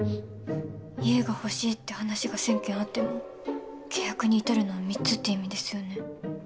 家が欲しいって話が１０００件あっても契約に至るのは３つって意味ですよね。